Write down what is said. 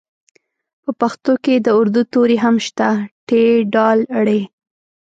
په پښتو کې د اردو توري هم شته ټ ډ ړ